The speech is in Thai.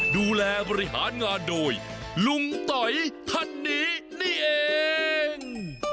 ดูแลบริหารงานโดยลุงต๋อยท่านนี้นี่เอง